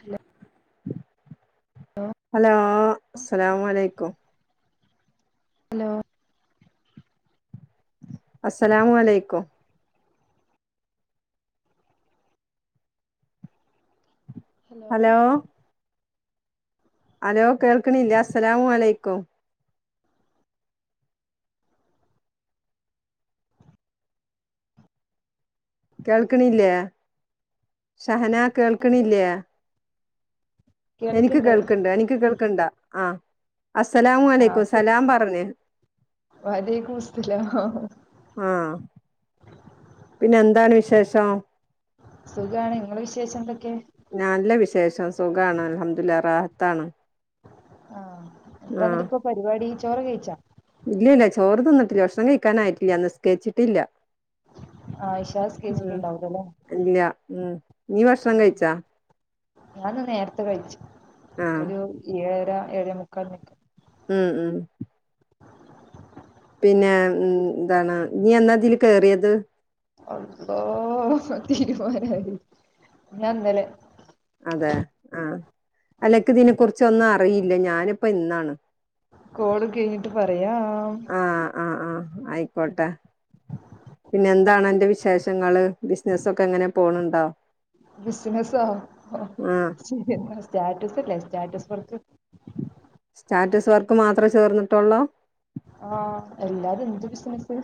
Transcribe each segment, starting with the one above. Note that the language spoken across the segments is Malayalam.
ഹലോ ഹലോ അസ്സലാമു അലൈക്കും ഹലോ അസ്സലാമു അലൈക്കും ഹലോ ഹലോ കേൾക്കണില്ല അസ്സലാമു അലൈക്കും കേൾക്ക്ണില്ലേ ഷഹന കേൾക്ക്ണില്ലേ എനിക്ക് കേൾക്ക്ണ്ട് എനിക്ക് കേൾക്ക്ണ്ടാ ആ അസ്സലാമു അലൈക്കും സലാം പറഞ്ഞ് വഅലൈക്കും മുസ്സലം ആ പിന്നെ എന്താണ് വിശേഷം സുഖാണ് ഇങ്ങളെ വിശേഷം എന്തൊക്കെ നല്ല വിശേഷം സുഖാണ് അല്ഹെംദുലില്ലാഹ് റാഹതാണ് ആ എന്താന്നിട്ട് ഇപ്പോ പരിപാടി ചോറ് കഴിച്ചാ ഇല്ലല്ല ചോറ് തിന്നിട്ടില്ല ഭക്ഷണം കഴിക്കാനായിട്ടില്ല നിസ്കരിച്ചിട്ടില്ല ആ ഉം ഇല്ല നീ ഭക്ഷണം കഴിച്ചാ ഞാനിന്ന് നേരത്തെ കഴിച്ചു ആ ഒരു ഏഴര ഏയെ മുക്കാൽനൊക്കെ ഉം ഉം പിന്നെ ഉം എന്താണ് നീ എന്നാതിൽ കേറിയത് അല്ലോഹ് തീരുമാനമായി ഞാൻ ഇന്നലെ അതെ ആ അല്ലക്ക് ഇതിനെ കുറിച്ച് ഒന്നും അറിയില്ല ഞാനിപ്പോ ഇന്നാണ് കോൾ കഴിഞ്ഞിട്ട് പറയാ ആ ആ ആ ആയിക്കോട്ടെ പിന്നെ എന്താണ് അന്റെ വിശേഷങ്ങള് ബിസിനസ്സ് ഒക്കെ എങ്ങനെ പോണ് ണ്ടോ ബിസിനസ്സോ ആഹ് ല്ലേ സ്റ്റാറ്റസ് വർക്ക് സ്റ്റാറ്റസ് വർക്ക് മാത്രമേ ചേർന്നിട്ടുള്ളോ ആ അല്ലാതെ എന്ത് ബിസിനസ്.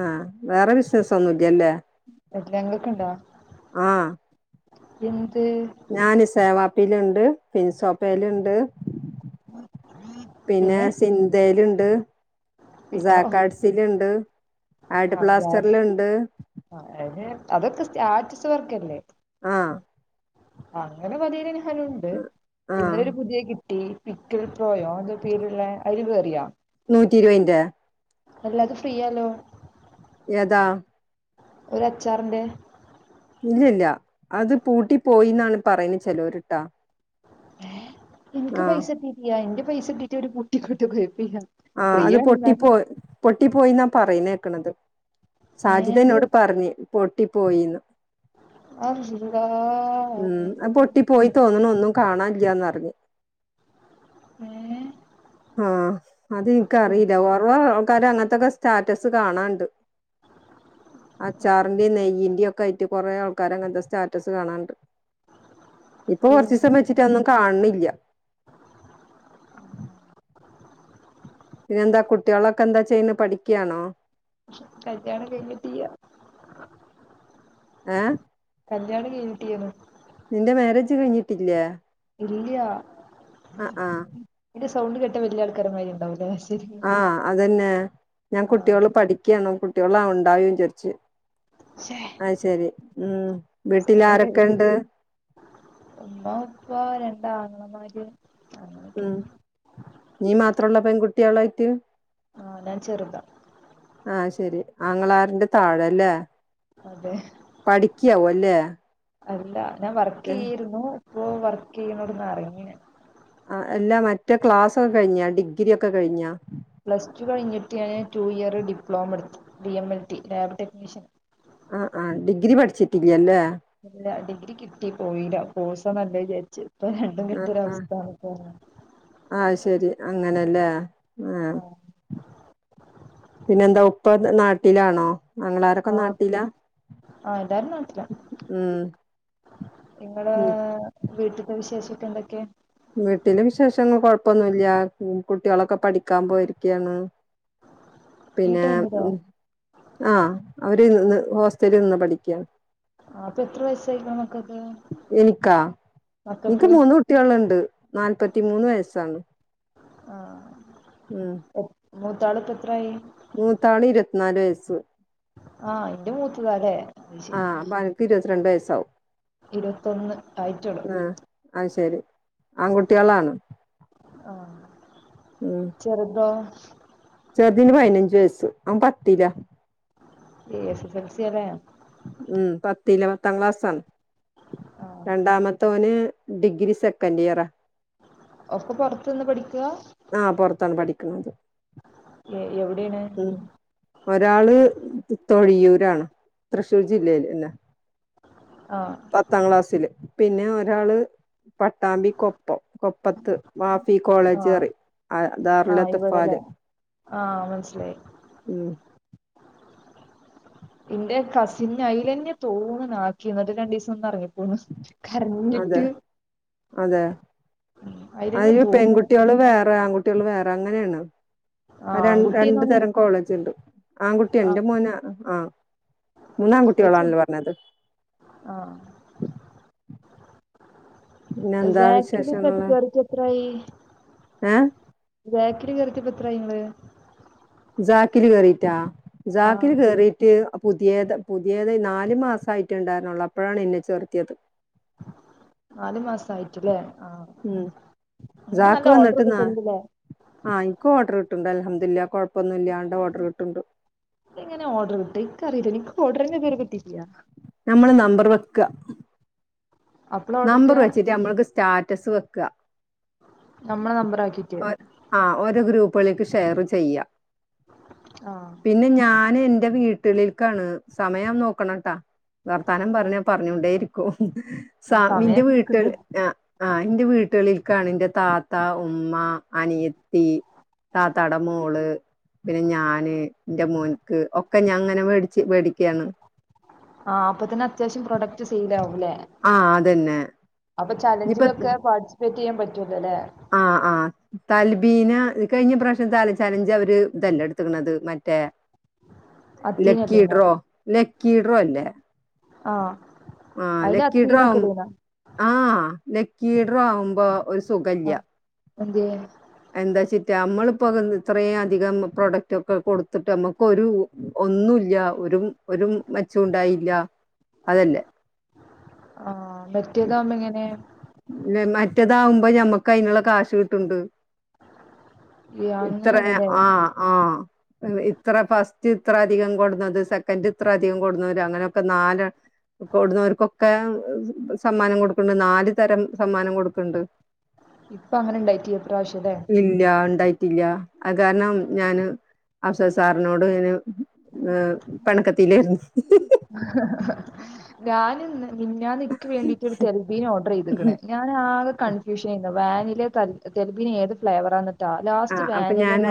ആ വേറെ ബിസിനസ്സ് ഒന്നുല്ലല്ലേ ഇല്ല്യ ങ്ങൾക്ക് ണ്ടോ ആഹ് ഞാന് സേവാപ്പയിലുണ്ട് ഫിൻസോപ്പയിലുണ്ട് പിന്നെ സിന്തയിലുണ്ട് സക്കാഡ്‌സിൽണ്ട് ആ അതൊക്കെ സ്റ്റാറ്റസ് വർക്കല്ലേ ആ അങ്ങനെ പത്തീൽ ഞാനുണ്ട് ആഹ് ഇന്നൊരു പുതിയ കി ദി പിക്കൽ പ്രോയോ അങ്ങനെ പേരുള്ള അയ്ൽ കേറിയോ നൂറ്റി ഇരുപതിന്റെ അല്ല അത് ഫ്രീയല്ലോ യതാ ഒര് അച്ചാറിന്റെ ഇല്ലല്ല അത് പൂട്ടി പോയിന്നാണ് പറയുന്നത് ചെലോര്ട്ട ഇന്ക്ക് പൈസ കിട്ടിട്ടില്ല എന്റെ പൈസ കിട്ടീട്ട് ഒരു [unintelligible] ആ അത് പൊട്ടിപ്പോയി പൊട്ടി പോയിന്നാ പറയുന്നേക്കണത് ഏഹ് സാജിദന്നോട് പറഞ്ഞ് പൊട്ടി പോയിന്ന് ആഹ് [unintelligible] ഉം അത് പൊട്ടി പോയി തോന്നുണു ഒന്നും കാണാല്ലന്നറിഞ്ഞ് ഏഹ് ആഹ് അത് ഇൻക്കറീല [unintelligible] ക്കാര അങ്ങൻതൊക്കെ സ്റ്റാറ്റസ് കാണാണ്ട് അച്ചാറിന്റി നെയ്യന്റി ഒ ക്കായ്റ്റ് കൊറേ ആൾക്കാരെ അങ്ങൻത്തെ സ്റ്റാറ്റസ് കാണാണ്ട് ഇപ്പൊ പിന്നെ കൊർചീസം വെച്ചിട്ട് അതൊന്നും കാൺനില്ല്യ പിന്നെ എന്താ കുട്ട്യാളൊക്കെ എന്താ ചെയ്യ്ണ് പഠിക്കാണോ കല്ല്യാണം കൈഞ്ഞിട്ടിയ്യ ഏഹ് കല്ല്യാണം കൈഞ്ഞിട്ടിയാന്നു നിന്റെ മാരേജ് കഴിഞ്ഞിട്ടില്ല്യേ ഇല്ല്യ ആഹ് ഇന്റെ സൗണ്ട് കേട്ടാ വല്ല്യ ആൾക്കാരമാരി ഉണ്ടാവൂലേ ശരി ആഹ് അതന്നെ ഞാൻ ആഹ് കുട്ടികള് പഠിക്ക്യാണോ കുട്ടികൾ ഉണ്ടാവോ ജാരിച്ച് ശേ അയ്ശരി ഉം വീട്ടില് ആരൊക്കെണ്ട് ഉമ്മ ഉപ്പ രണ്ടാങ്ങളമാര് അങ്ങനെയൊക്കെ ഉം നീ മാത്രമുള്ള പെൺകുട്ടികളായിട്ട് ആ ഞാൻ ചെറുതാ ആഹ് ശരി ആങ്ങളാരന്റെ താഴല്ലേ അതെ പഠിക്കയാവുഅല്ലേ അല്ല ഞാൻ വർക്ക് ചെയ്യയിരുന്നു ഇപ്പൊ വർക്ക് ചെയ്യുന്നോട്ന്ന് ഇറങ്ങി ഞാൻ ആ അല്ല മറ്റേ ക്ലാസക്കെ കഴിഞ്ഞാ ഡിഗ്ര ഒക്കെ കഴിഞ്ഞ പ്ലസ് ടു കഴിഞ്ഞിട്ട് ഞാൻ ടു ഇയർ ഡിപ്ലോമ എടുത്തു D ML T lab technician ആ ആ ഡിഗ്രി പഠിച്ചിട്ടില്ലല്ലേ ഇല്ല ഡിഗ്രി കിട്ടി പോയില്ല കോഴസ് നല്ല വിചാരിച്ചു ഇപ്പൊ രണ്ടും കെട്ടൊരവസ്ഥാണ് പോണേ ആ ശരി അങ്ങനല്ലേ ആ ആഹ് പിന്നെന്താ ഉപ്പ നാട്ടിലാണോ ആ ങ്ങളാരൊക്കെ നാട്ടിലാ ആ എല്ലാരും നാട്ടിലാ ഉം നിങ്ങടെ ഉം. വീട്ടിത്തെ വിശേഷക്കെ എന്തൊക്കെയ വീട്ടില് വിശേഷങ്ങൾ കൊഴപ്പൊന്നുമല്ല കുട്ടികളൊക്കെ പഠിക്കാൻ പോയിരിക്കയാണ് ഈ പിന്നെ ടൈമിലോ ആ അവ ര് നിന്ന് ഹോസ്റ്റലിൽ നിന്ന് പഠിക്കാ ആ അപ്പൊ എത്ര വയസായിക്കാണും മക്കക്ക് എനിക്കാ എനിക്ക് മക്കക്ക് മൂന്ന് കുട്ടികളുണ്ട് നാല്പത്തിമൂന്ന് വയസ്സാണ് ആ ഉം മൂത്താള്പ്പം എത്രായി മൂത്താള് ഇരുപത്ത്നാല് വയസ്സ് ആ ഇന്റെ മൂത്തതാ അല്ലെ അഅ് ശരി പന്ത്രണ്ട് വയസ്സാവും ഇരുപത്തൊന്ന് ആയിട്ടൊള്ളു ആ അത് ശരി ആൺകുട്ടികളാണ് ആ ചെറുതോ ന് പതിനഞ്ച് വയസ്സ് അവൻ പത്തിലാ എസ് എസൽസിയാല്ലേ ഉം പത്തില്ല പത്താം ക്ലാസ്സണ് ആ രണ്ടാമത്തോന് ഡിഗ്രി സെക്കൻഡ് ഇയറാ ഒപ്പ പുറത്ത് നിന്ന് പഠി ആ പുറത്താണ് പഠിക്കണത് ഔടിയാണ് ഒരാള് തൊഴിയൂരാണ് തൃശ്ശൂർ ജില്ലേൽ ന്നെ ആ പത്താം ക്ലാസില് പിന്നെ ഒരാള് പട്ടാമ്പി കൊ പ്പം കൊപ്പത്ത് മാഫി ആ കോളേജ് പറിം ആ ആ ദാറുൽ ഇവിടെല്ലേ അത്ഫാല് ആ മനസിലായി ഇന്റെ കസിനെ അയിലന്നെ തോന്നുണ് ആക്കിയെ എന്നിട്ട് രണ്ടു ദിവസം ഒന്ന് ഇറങ്ങിപ്പോന്ന് അതെ അതെ അയിലെന്നെ അതില് തോന്നണ് പെൺകുട്ടികള് വേറെ ആൺകുട്ടികൾ വേറെ അങ്ങനെയാണ് ആ ര രണ്ടു ആൺകുട്ടിന്നോന് തരം കോളേജ് ഉണ്ട് ആൺകുട്ടിയാണ് ആ ഇന്റെ മോന് ആ വെച്ച് മൂന്നാംകുട്ടികളാണല്ലോ പറഞ്ഞത് ആ പിന്നെ എന്താ ജാക്കിൽ ഇപ്പം വിശേഷങ്ങള് കേറിട്ട് എത്രയായി ഏ ക്കിൽ കേറിയിട്ട് എത്രായിങ്ങള് ജാക്കില് കേറിട്ടോ ആ ജാക്കില് കേറീട്ട് പുതിയത് പുതിയത് നാല് മാസയിട്ടുണ്ടായിരുന്നുള്ളൂ അപ്പോഴാണ് ഇന്നെ ചേർത്തിയത് നാലു മാസയിട്ട്ല്ലേ ഉം സാക്ക് വന്നിട്ട്ന്നാ കിട്ടലിണ്ടല്ലേ ആഹ് ഇനിക്കും ഓർഡർ ഉണ്ട് അൽഹംദുലില്ലാഹ് കുഴപ്പ എങ്ങനെ ഓർഡർ കിട്ട എനിിക്ക അറിയില്ല എനിക്ക് ഓർഡർന്റെ പേരെ പറ്റിട്ടയാ നമ്മള് നമ്പർ വെക്കുക അപ്പളാ നമ്പർ കിട്ടാ വെച്ചിട്ട് നമ്മക്ക് സ്റ്റാറ്റസ് വെക്കുക നമ്മളെ ആക്കീട്ട് ആ രോ ഗ്രൂപ്പക്ക് ഷെയർ ചെയ്യ ആ പിന്നെ ഞൻ എന്റെ വീട്ടിൽിൽ ാണ് സമയം നോക്കണംട്ടാ വർത്താനം ആ പറഞ്ഞ പറഞ്ഞൊണ്ടേരിക്കും ആ സാിന്റെ സമയം വീട്ടിൽ നോക്ക്ണ്ട് ആ ആ എന്റെ വീട്ടുകളിൽ കണിന്റെ താത്ത ഉമ്മ അനിയത്തി താത്തട മോള് പിന്നെ ഞാന് എറെ മോൻക്ക് ഒക്കെ ഞാൻങ്ങനെ മേടിച്ച് മേടിക്കയാണ് ആഹ അപ്പൊ തന്നെ അത്യാവശ്യം പ്രൊഡക്റ്റ് സെയിൽ ആാവും ആ അതന്നെ അപ്പൊ ചലഞ്ചിലൊക്കെ പാർട്ടിസിപ്പേറ്റ് ചെയ്യാൻ പറ്റല്ല ആഹ ആഹ തൽബീന് കഴിഞ്ഞ പ്രശ്നം താലഞ് ചാലഞ്ച അവര് ഇതല്ല എടുക്കണത് മറ്റേ അത്തീനല്ലേനാ ലക്കിട്രോ ലക്കിട്രോ അല്ലേ ആഹ ആ ലക്കിടറ ആകുമ്പ ആഹ ലക്കിടറോ ആവുമ്പോ ഒരു സുുകല്യ അതയ എന്താച്ചിട്ടാ നമ്മളിപ്പോൊ ഇത്രയും അധികം പ്രൊഡക്റ്റ് ഒക്കെ കൊടുത്തിട്ട് നമ്മുക്ക്ൊരു ഒന്നുമല്ല ഒരു ഒരു മച്ചംണ്ടായില്ല അതല്ലേ പറ്റിയത ഇങ്ങനെ ഇതാവുമ്പോ മക്ക് അതിനുള്ള കാശ് കിട്ടണ്ട് ഈ ഇത്ര അങ്ങനെയാണല്ലേ ആഹ ആഹ ഇത്ര പ ഇത്ര അധികം കൊടുന്നത് സെക്കൻ് ഇത്ര അധികം കൊടുന്ന അങ്ങനെയൊക്കെ നാല് വിടുന്നവർക്കൊക്കെ സമ്മാനം കൊടുക്കണ്ട് നാല് തരം സമ്മാനം കൊടുക്കണ്ട് ഇപ്പൊ അങ്ങനെ ഉണ്ടായിട്ടീ ഇല്ല ഉണ്ടായി പില്ല അത് കാരണം ഞാന് അവസ സാറിനോട് ഇന് ആ പണക്കത്തിലൽന്ന് ഞാനന്ന് ഞാൻ നിനിക്ക് വേണ്ടീട്ട് തെൽബീൻ ഓർഡർ ചെയ്തക്കണ ഞാൻ ആകെ കൺഫ്യൂഷ ചെയ്യ വാനില തെബിന് ഏത് ഫ്ലേവറ ആ അപ്പൊ ഞാന്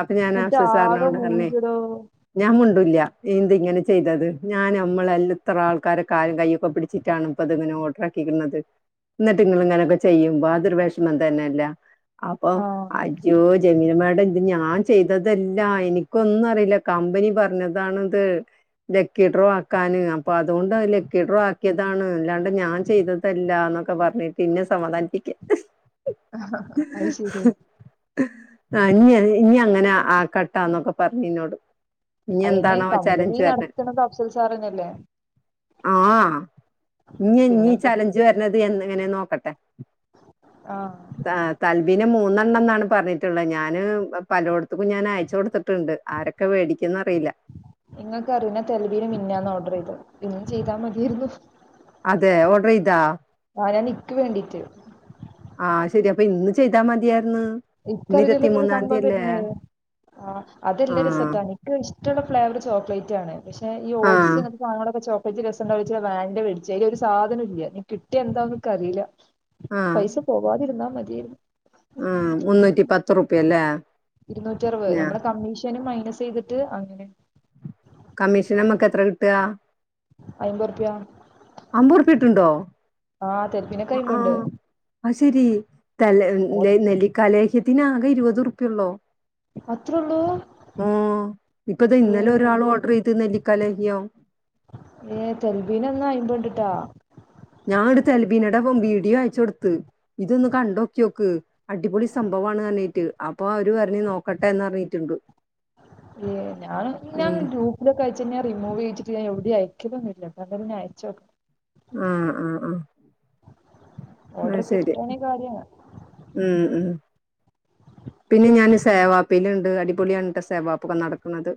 അപ്പൊ ഞാൻ എന്നിട്ട് ആശവസറിന ആകെ കൊണ്ട്ണേ മൂഞ്ചെടോ ഞാൻ ഇല്ല ന്തിങ്ങനെ ങ്ങനെ ചെയ്തത് ഞാ നമ്മള ആൾക്കാരെ കാലും കാഴൊക്കെ പിടിച്ചിട്ടാണ് പ്പതിങ്ങനൊക്കെ ഓർഡാകീണത് എന്നിട്ട്ങ്ങള് ഇങ്ങനൊക്കെ ചെയ്യുമ്പോ അതൊരു വെഷമം തന്നെയല്ല അപ്പൊ ആഹ് അ ജോ ജമീന മാേഡം ഇത് ഞാൻ ചെയ്തതല്ല എനിക്കൊന്നും അറിയില്ല കമ്പനി പറഞ്ഞതാണത് ലക്കിട്രോ ആക്കാാന് അപ്പൊ അതുകൊണ്ട് ലക്കിട്രോ ആക്കിയതാണ് അല്ലാണ്ട് ഞാൻ ചെയ്തതല്ല ന്നൊക്കെ പറഞ്ഞിട്ട് ഇന്ന സമാധാനിപ്പിക്ക ആഹ അഐ ശരിരി ആ ഇനി ഇനി അങ്ങനെ ആ കട്ടാന്നൊക്കെ പറഞ്ഞു ഇന്നോട് ഇനി അയിന് എന്താണാവോ കമ്പനി ചലഞ്ച് നടത്തണ അഫ്സൽ സാറന്നല്ലേ ആഹ് ഇനി നീ പിന്നെന്താ ചലഞ്ച് വരത് ങ്ങനെ നോക്കട്ടെ ആഹ് തലബീ നെ മൂന്ന പാണ് പറഞ്ഞിട്ടുള്ളത് ഞാന് പലോടത്തക്കും ഞാൻ അയച്ച കൊടുത് ണ്ട് ആരൊക്കെ വേടിക്കന്നറിയില്ല പിന്നും ചെയ്താ മതിയായിരുന്നു അതെ ഓട്ര ഇതാ ആ ഞാൻ നിക്ക് വേണ്ടീട്ട് ആ ശരി അപ്പ ഇന്ന് ചെയ്താ മതിയ ഇക്കറിതില്ലാ ഇങ്ങനൊരു സംഭവം വെര്ന്നേ ആ അതെല്ല ആഹ് രസത്താ നിക്ക് ഇഷ്ടള്ള ഫ്ലേവർ ചോക്ലേറ്റാണ് പക്ഷെ ഈ ഓട്സ് ആഹ് ഇങ്ങൻത്തെ സാനങ്ങളൊക്കെ ചോ [unintelligible] രസ ഇണ്ടാവുലാച്ച്‌ വാനില വേട്ച്ച് അയിൽ ഒരു സാധനും ഇല്ല ഇഞ് കിട്ടിയെ എന്താന്നും ഇക്ക് അറീലാ പൈസ പോവാതിരുന്നാ മതേയ്ന്നു ആ മുന്നൂറ്റി പത്ത്റുപ്യ ലെ ഇരുന്നൂറ്റി അറുപയ് നമ്മളെ കമ്മീഷനും മൈനസ് ചെയ്തിട്ട് അങ്ങനെ കമ്മീഷൻ അമ്മക്ക് എത്ര കിട്ടാ എയ്മ്പോർപ്യ അമ്പർപ്യ കിട്ട്ണ്ടോ തെൽബിനൊക്കെ ആ അ അയിമ്പുണ്ട് അയ് ശരി ത്തലെ ഹ് ലെ നെല്ലിക്കാ ലെ ത്തിന് ആകെ ഇരുപത്റുപ്യ ഒള്ളോ അത്രേ ഉള്ളൂ ആ ഇപ്പ ഇത് ഏ ഇന്നലെ ഒരാൾ ഓർഡർ ചെയ്ത് നെ ക്കലോഞ്ഞോ ഏ തെൽവീനന്നാ അയിമ്പെയ് ഇണ്ട് ട്ടോ ഞാങ്ങട്ട് തെൽബീനടൊപ്പം വീഡിയോ അയച്ച് കൊട്ത്ത് ഇതൊന്ന് കണ്ടോക്കിയോക്ക് അടിപൊളി സംഭ കൊറവാണ് അറ്ണീട്ട് അപ്പൊ അവര് പർഞ്ഞ് നോക്കട്ടെന്ന്ർഞ്ഞിട്ട്ണ്ട് ഏ ഞാൻ ഞാന്ന് ഗ്രൂരൂപ്പിലൊക്കെ അയച്ചെന്നെ റിമൂവ് ചെയ്ച്ചിട്ട് ഞാൻ ഒയു [unintelligible] അയ്ക്കലൊന്നുല്ലാ ഇന്നാലും പിന്നെ അയച്ചോക്കണം ആ ആ ആ ഓർഡർ കിട്ടാണേ കാര്യയാണ് ഉം ഉം പിന്നെ ഞാൻ സേവാപ്പിൽ ഇണ്ട് അടിപൊളിയാണ് ട്ടോ സേവാപ്പുക്കൊ നടക്ക്ണത്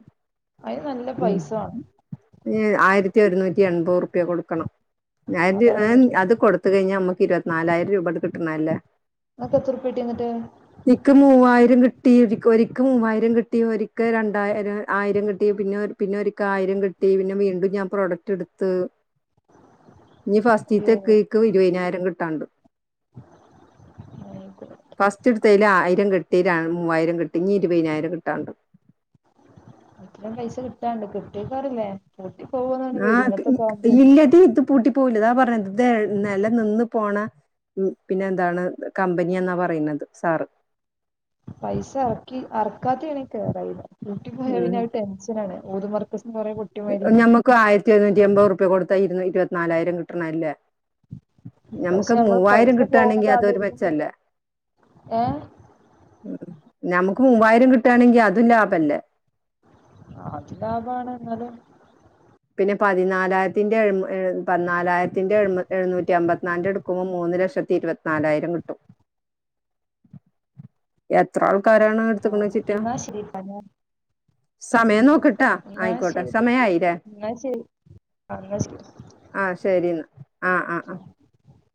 അതിന് നല്ല ഉം പൈസ വേണം ഇഞ് ആയിരത്തി ഒരുന്നൂ റ്റി എൺപത് റുപ്യ കൊട്ക്കണം [unintelligible] അതാണ് അയ് പ്രശ്നം അത് കൊട്ത്ത് കഴിഞ്ഞാൽ ഞമ്മക്ക് ഇരുവത്തിനാലായിരം രൂപട്ട് കിട്ടണെ അല്ലേ ഇങ്ങക്ക് എത്ര ഉറുപ്യട്ടി ഇന്നെട്ട് ഇക്ക് മൂവായിരം കിട്ടി രിക്കെ ഒരിക്കെ മൂവായിരം കിട്ടി ഒരിക്കെ രണ്ടായിരം ആയിരം കിട്ടി പിന്നൊരി പിന്നൊരി ക്കായിരം കിട്ടി പിന്നെ വീണ്ടും ഞാൻ പ്രൊഡക്റ്റ് ഇട്ത്ത് ഇഞ് അയ്യോ ഫസ്റ്റീത്തെക്ക് ഇക്ക് ഇരിവിനായിരം കിട്ടാണ്ട് ഫസ്റ്റ് ഇട് ത്തേൽ ആ രം കിട്ടി മൂവായിരം കിട്ടി ഇഞ് ഇര്‌വിനായിരം കിട്ടാണ്ട് അത്രേം പൈസ കിട്ടാണ്ട് കിട്ടൊയ്ക്കാരം ലെ ആ ക്ക് ക്ക് ഇല്ലെടി ഇത് പൂട്ടി പോവ്‌ലാ അതാ പറിണെ ഇത് നെല നിന്ന് പോണ ഉം പിന്നെ എന്താണ് കമ്പനിയാന്നാ പറിണെത് സാറ് പൈസ എറക്കി അറക്കാത്തെയാണെ കേറ അയിൽ പൂട്ടി പോയ പിന്നെ അയ് ടെൻഷനണ് ഓതുമർക്കസ് ഞമ്മക്കും ആയിരത്തി ഒരുന്നൂറ്റിയെമ്പത് റുപ്യ കൊട്ത്താ ഇരു ഇരുവത്തിനാലായിരം കിട്ടണെ അല്ലെ ഞമ്മക്ക് പക്ഷെ അയ് നമ്മൾ മൂവായിരം പൈസ കിട്ടാണെങ്കി പോകുന്നത് അതൊരു മെച്ച ആലോചിക്കുമ്പോൾ അല്ലെ ഏ ഉം ഞമ്മക്ക് മൂവായിരം കിട്ടാണെങ്കി അതും ലാഭ അല്ലെ ആ അത് ലാഭാണ് എന്നലും പിന്നെ പതിനാലായിരത്തിന്റെ മ് എ പതിനാലായിരത്തിന്റെ ഐമ് എഴുന്നൂറ്റി അമ്പത്തിനാൽന്റെ ഇട്ക്കുമ്പോ മൂന്ന് ല ലക്ഷത്തി ഇരുവത്തിനാലായിരം കിട്ടും എത്ര ആൾക്കാരാണ് ആ ഇട്ത്ത്ക്ക്ണെച്ച്റ്റാ എന്നാ ശരി സമയം നോക്ക്ട്ടാ എന്നാ ആയിക്കോട്ടെ ശരി സമയായി ലെ എന്നാ ശരി എന്നാ ശരി ആ ശരി ന്നാ ആ ആ ആ